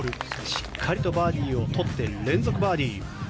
しっかりとバーディーをとって連続バーディー。